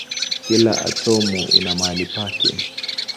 Kila atomu ina mahali pake.